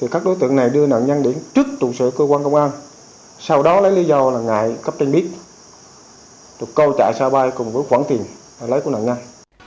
các đối tượng đều đưa nạn nhân đến trước tù sở cơ quan công an sau đó lấy lý do ngại cấp tranh biết được câu chạy xa bay cùng với khoản tiền lấy của nạn nhân